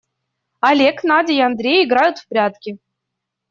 Олег, Надя и Андрей играют в прятки.